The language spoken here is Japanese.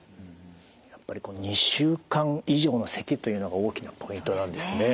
やっぱりこの２週間以上のせきというのが大きなポイントなんですね。